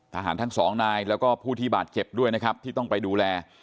ทหารทั้งสองนายแล้วก็ผู้ที่บาดเจ็บด้วยนะครับที่ต้องไปดูแล